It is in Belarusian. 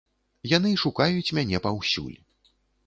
Яны шукаюць мяне паўсюль.